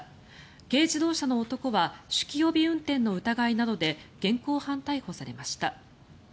軽自動車の男は酒気帯び運転の疑いなどで現行犯逮捕されました。